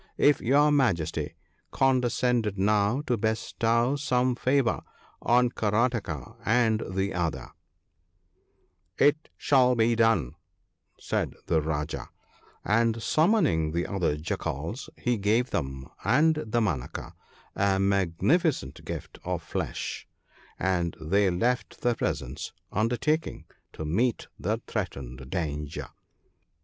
If your Majesty condescended now to bestow some favour on Karataka and the other '' It shall be done/ said the Rajah ; and, summoning the other Jackals, he gave them and Damanaka a magni ficent gift of flesh, and they left the presence, undertaking to meet the threatened danger.